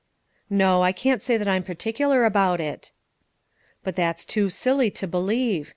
"No; I can't say that I'm particular about it." "But that's too silly to believe.